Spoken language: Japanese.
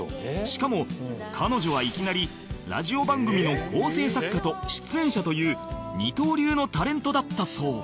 しかも彼女はいきなりラジオ番組の構成作家と出演者という二刀流のタレントだったそう